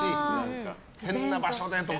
変な場所でとか。